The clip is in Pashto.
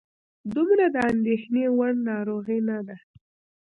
دومره د اندېښنې وړ ناروغي نه ده.